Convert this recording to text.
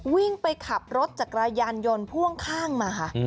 วิ่งไปขับรถจักรยานยนต์พ่วงข้างมาค่ะ